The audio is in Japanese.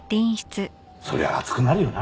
そりゃ熱くなるよな。